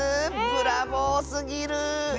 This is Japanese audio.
ブラボーすぎる！